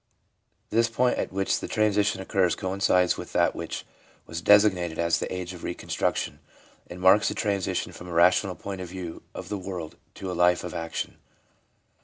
This point at which the transition occurs coincides with that which was desig nated as the age of reconstruction, and marks the transition from a rational point of view of the world to a life of action.